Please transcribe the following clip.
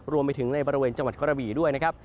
รวมไปถึงในบริเวณจังหวัดกระบี่ด้วยนะครับ